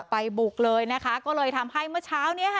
บุกเลยนะคะก็เลยทำให้เมื่อเช้านี้ค่ะ